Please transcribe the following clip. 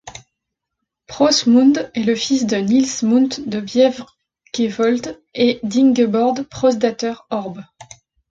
Pros Mund est le fils de Niels Mund de Bjerkevold et d'Ingeborg Prosdatter Hørb.